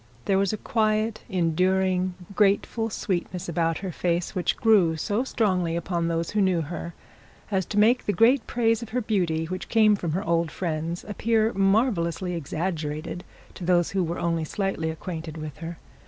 There was a quiet, enduring, grateful sweetness about her face, which grew so strongly upon those who knew her, as to make the great praise of her beauty which came from her old friends, appear marvellously exaggerated to those who were only slightly acquainted with her.